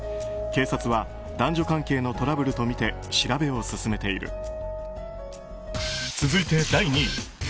警察は男女関係のトラブルとみて調べを進めている。